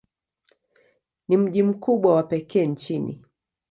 Ni mji mkubwa wa pekee nchini.